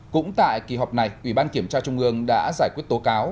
năm cũng tại kỳ họp này ủy ban kiểm tra trung ương đã giải quyết tố cáo